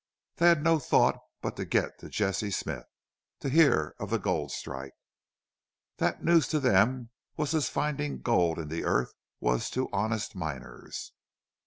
They had no thought but to get to Jesse Smith to hear of the gold strike. That news to them was as finding gold in the earth was to honest miners.